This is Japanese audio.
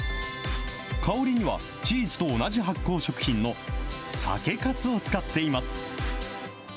香りにはチーズと同じ発酵食品の酒かすを使っています。